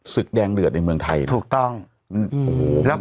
ศึกแดงเหลือในเมืองไทยถูกต้องอ๋อแล้ว